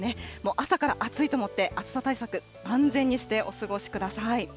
朝から暑いと思って、暑さ対策、万全にしてお過ごしください。